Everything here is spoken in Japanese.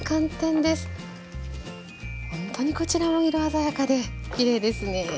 ほんとにこちらも色鮮やかできれいですね。